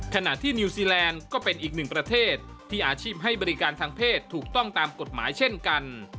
ขณะที่นิวซีแลนด์ก็เป็นอีกหนึ่งประเทศที่อาชีพให้บริการทางเพศถูกต้องตามกฎหมายเช่นกัน